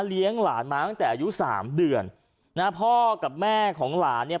หลานมาตั้งแต่อายุสามเดือนนะพ่อกับแม่ของหลานเนี่ย